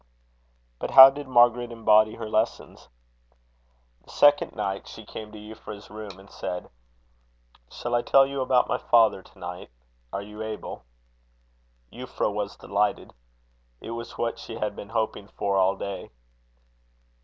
But how did Margaret embody her lessons? The second night, she came to Euphra's room, and said: "Shall I tell you about my father to night? Are, you able?" Euphra was delighted. It was what she had been hoping for all day.